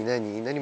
何？